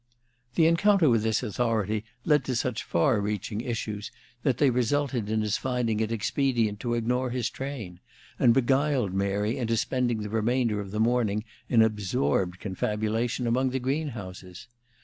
The encounter with this authority led to such far reaching issues that they resulted in his finding it expedient to ignore his train, and beguiled Mary into spending the remainder of the morning in absorbed confabulation among the greenhouses.